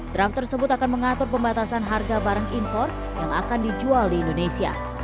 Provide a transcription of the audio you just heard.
draft tersebut akan mengatur pembatasan harga barang impor yang akan dijual di indonesia